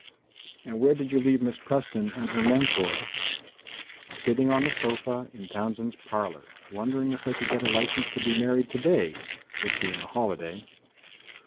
"And where did you leave Miss Preston and her mentor?" "Sitting on the sofa in Townsend's parlor, wondering if they could get a license to be married today, it being a holiday."